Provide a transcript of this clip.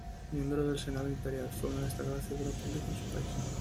Miembro del senado imperial, fue una destacada figura pública en su país.